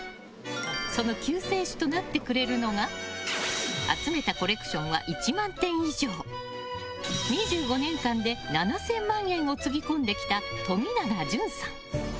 その救世主となってくれるのが集めたコレクションは１万点以上２５年間で７０００万円をつぎ込んできた冨永潤さん。